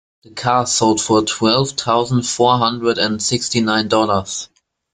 The car sold for twelve thousand four hundred and sixty nine dollars.